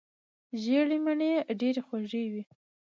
ژیړې مڼې ډیرې خوږې وي.